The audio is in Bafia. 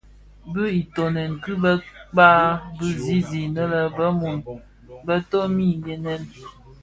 Itōnen kii keba bi zi innë bë-mun bë toni gènë.